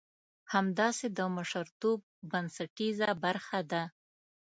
همداسې د مشرتوب بنسټيزه برخه ده.